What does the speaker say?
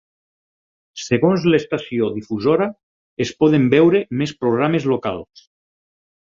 Segons l'estació difusora, es poden veure més programes locals.